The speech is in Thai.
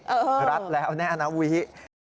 เออรัดแล้วแน่นะวี